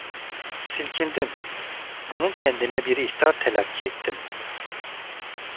Silkindim, bunu kendime bir ihtar telakki ettim.